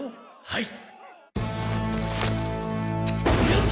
はい！